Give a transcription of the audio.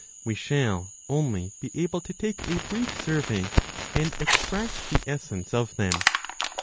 We shall only be able to take a brief survey and extract the essence of them.